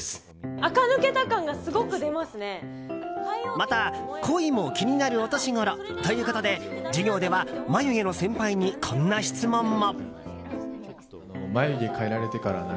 また恋も気になるお年頃ということで授業では眉毛の先輩にこんな質問も。